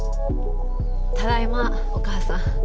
ただいまお母さん。